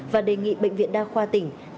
và đề nghị bệnh viện đa khoa tp yên bái